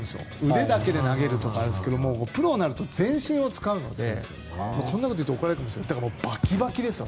腕だけで投げるとかっていうんですが、プロになると全身を使うのでこんなことを言うと怒られるかもしれないけどだからもうバキバキですよ。